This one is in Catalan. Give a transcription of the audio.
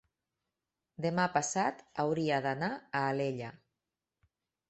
demà passat hauria d'anar a Alella.